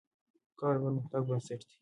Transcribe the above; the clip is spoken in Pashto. کار د پرمختګ بنسټ دی.